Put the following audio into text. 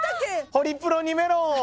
ホリプロにメロンを。